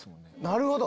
なるほど！